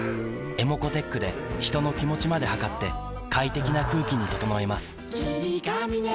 ｅｍｏｃｏーｔｅｃｈで人の気持ちまで測って快適な空気に整えます